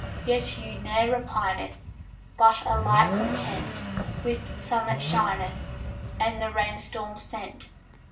Yet you ne'er repineth, But alike content With the sun that shineth, And the rainstorm sent.